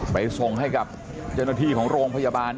ไปส่งให้กับเจ้าหน้าที่ของโรงพยาบาล